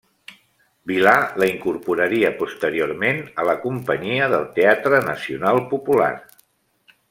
Vilar la incorporaria posteriorment a la companyia del Teatre Nacional Popular.